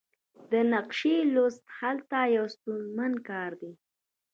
د نقشې لوستل هلته یو ستونزمن کار دی